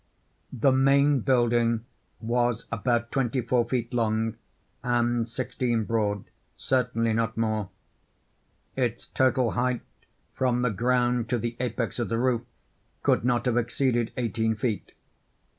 The main building was about twenty four feet long and sixteen broad—certainly not more. Its total height, from the ground to the apex of the roof, could not have exceeded eighteen feet.